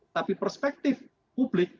tapi perspektif publik